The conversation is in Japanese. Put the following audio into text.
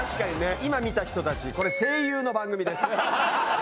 今見た人たちこれ声優の番組です。